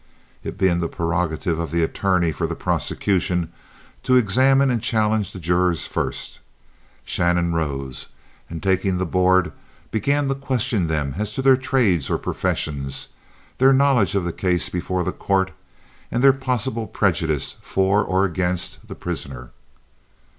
It being the prerogative of the attorney for the prosecution to examine and challenge the jurors first, Shannon arose, and, taking the board, began to question them as to their trades or professions, their knowledge of the case before the court, and their possible prejudice for or against the prisoner.